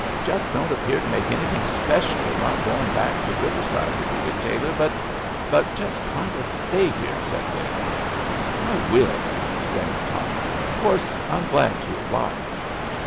"Just don't appear to make anything special of not going back to Riverside," repeated Taylor, "but " "But just kind of stay here," said Lin. "I will!" exclaimed Tommy. "Of course, I'm glad to oblige."